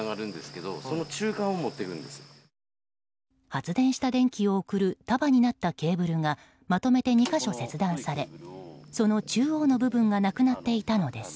発電した電気を送る束になったケーブルがまとめて２か所切断されその中央の部分がなくなっていたのです。